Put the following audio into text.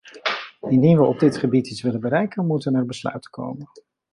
Indien we op dit gebied iets willen bereiken, moeten er besluiten komen.